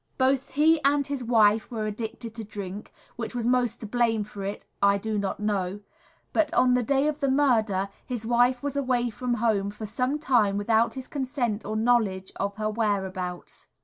Both he and his wife were addicted to drink which was most to blame for it I do not know but on the day of the murder his wife was away from home for some time without his consent or knowledge of her whereabouts.